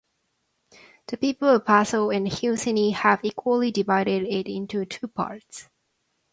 The people of Passu and Husseini have equally divided it into two parts.